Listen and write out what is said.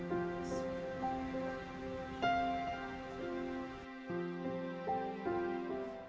oh masya allah